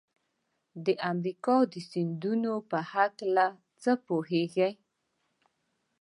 د امریکا د سیندونو په هلکه څه پوهیږئ؟